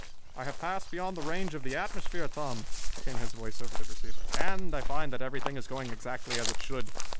"I have passed beyond the range of the atmosphere, Tom," came his voice over the receiver, "and I find that everything is going exactly as it should.